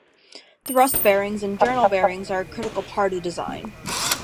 Thrust bearings and journal bearings are a critical part of design.